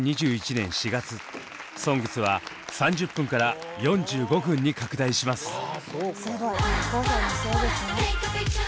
２０２１年４月「ＳＯＮＧＳ」は３０分から４５分に拡大します。